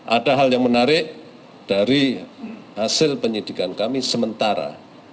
ada hal yang menarik dari hasil penyidikan kami sementara